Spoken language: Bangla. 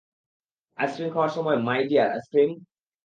আইসক্রিম খাওয়ার সময়, মাই ডিয়ার - আইস-ক্রিম?